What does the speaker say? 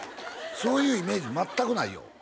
そういうイメージ全くないよ